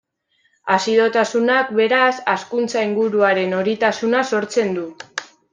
Azidotasunak, beraz, hazkuntza inguruaren horitasuna sortzen du.